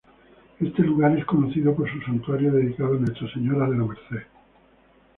Este lugar es conocido por su santuario dedicado a Nuestra Señora de la Merced.